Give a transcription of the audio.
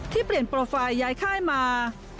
เปลี่ยนโปรไฟล์ย้ายค่ายมา